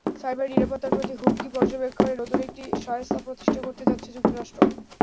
Cyber নিরাপত্তার প্রতি হুমকি পর্যবেক্ষণে নতুন একটি সংস্থা প্রতিষ্ঠা করতে যাচ্ছে যুক্তরাষ্ট্র।